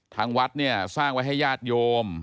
ทางวัดเนี่ยสร้างไว้ให้ญาติโยม